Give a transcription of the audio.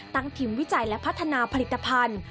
ตั้งทีมวิจัยและพัฒนาผลิตภัณฑ์